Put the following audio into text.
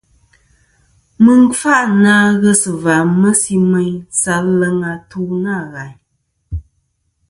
Mɨ n-kfâʼ na ghes va mesi meyn sa aleŋ atu nâ ghàyn.